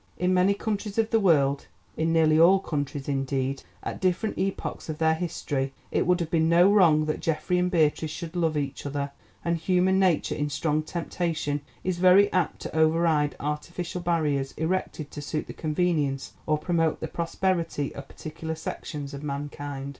In many countries of the world—in nearly all countries, indeed, at different epochs of their history—it would have been no wrong that Geoffrey and Beatrice should love each other, and human nature in strong temptation is very apt to override artificial barriers erected to suit the convenience or promote the prosperity of particular sections of mankind.